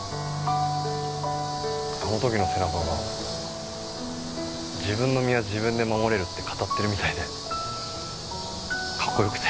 あの時の背中が自分の身は自分で守れるって語ってるみたいでかっこよくて好きになった。